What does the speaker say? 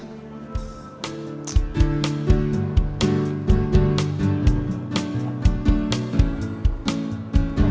gue gak mau kerja sama sama cowok cowok